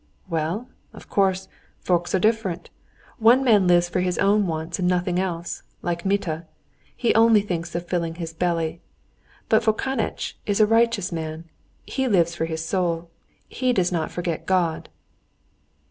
"Oh, well, of course, folks are different. One man lives for his own wants and nothing else, like Mituh, he only thinks of filling his belly, but Fokanitch is a righteous man. He lives for his soul. He does not forget God."